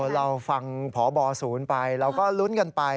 เราฟังพบศูนย์ไปเราก็ลุ้นกันไป